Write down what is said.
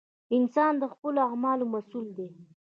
• انسان د خپلو اعمالو مسؤل دی.